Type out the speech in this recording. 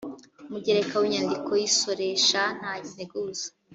mugereka w inyandiko y isoresha nta nteguza